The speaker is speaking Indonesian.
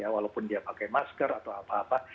walaupun dia pakai masker atau apa apa